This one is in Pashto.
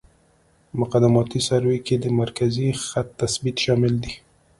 مقدماتي سروې کې د مرکزي خط تثبیت شامل دی